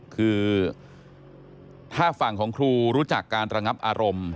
คือถ้าฝั่งของครูรู้จักการระงับอารมณ์